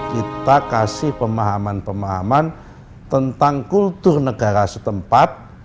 kita kasih pemahaman pemahaman tentang kultur negara setempat